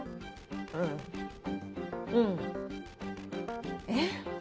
うんうんえっ？